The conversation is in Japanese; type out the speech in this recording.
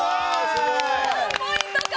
３ポイント獲得！